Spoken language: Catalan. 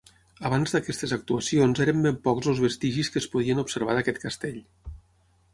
Abans d'aquestes actuacions eren ben pocs els vestigis que es podien observar d'aquest castell.